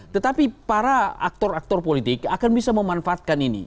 tetapi para aktor aktor politik akan bisa memanfaatkan ini